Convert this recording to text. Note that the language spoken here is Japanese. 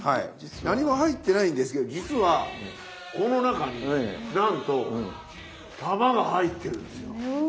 何も入ってないんですけど実はこの中になんと玉が入ってるんですよ。